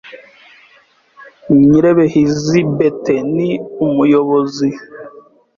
Nyirebehizi Beethe ni umuyobozi,